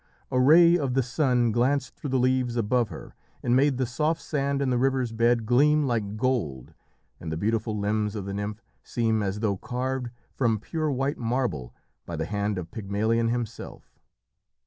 A ray of the sun glanced through the leaves above her and made the soft sand in the river's bed gleam like gold and the beautiful limbs of the nymph seem as though carved from pure white marble by the hand of Pygmalion himself.